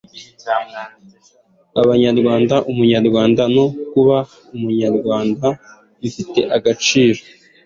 abanyarwanda. umunyarwanda no kuba umunyarwanda bifite agaciro